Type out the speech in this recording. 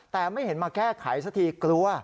แต่ไม่เห็นมาแก้ไขสักทีกลัว